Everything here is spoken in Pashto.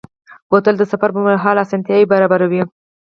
بوتل د سفر پر مهال آسانتیا برابروي.